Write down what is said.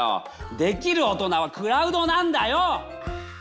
できる大人はクラウドなんだよ！